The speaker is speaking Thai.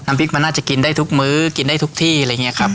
พริกมันน่าจะกินได้ทุกมื้อกินได้ทุกที่อะไรอย่างนี้ครับ